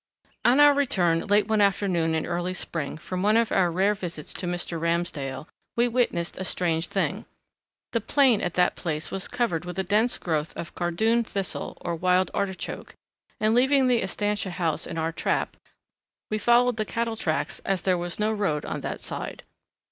On our return late one afternoon in early spring from one of our rare visits to Mr. Ramsdale, we witnessed a strange thing. The plain at that place was covered with a dense growth of cardoon thistle or wild artichoke, and leaving the estancia house in our trap, we followed the cattle tracks as there was no road on that side.